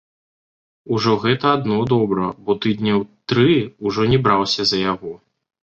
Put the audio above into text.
Ужо гэта адно добра, бо тыдняў тры ўжо не браўся за яго.